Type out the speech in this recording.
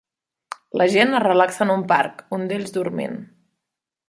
La gent es relaxa en un parc un d'ells dormint